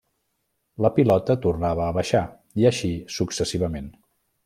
La pilota tornava a baixar i així successivament.